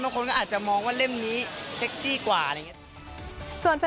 คนก็อาจจะมองว่าเล่มนี้เซ็กซี่กว่าอะไรอย่างนี้